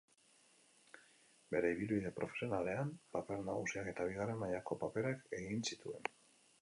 Bere ibilbide profesionalean paper nagusiak eta bigarren mailako paperak egin zituen.